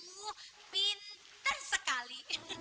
aduh pinter sekali